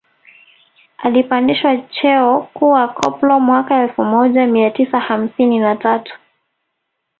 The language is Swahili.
Alipandishwa cheo kuwa koplo mwaka elfu moja mia tisa hamsini na tatu